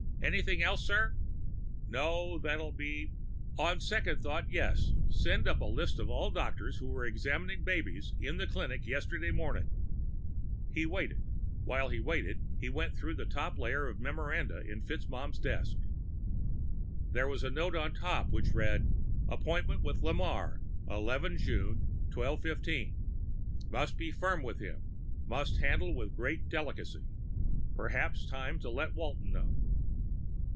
Anything else, sir?" "No, that'll be on second thought, yes. Send up a list of all doctors who were examining babies in the clinic yesterday morning." He waited. While he waited, he went through the top layer of memoranda in FitzMaugham's desk. There was a note on top which read, _Appointment with Lamarre, 11 June 1215. Must be firm with him, and must handle with great delicacy. Perhaps time to let Walton know.